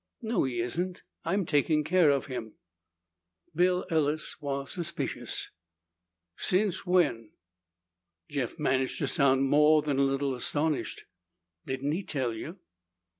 "No, he isn't. I'm taking care of him." Bill Ellis was suspicious. "Since when?" Jeff managed to sound more than a little astonished. "Didn't he tell you?"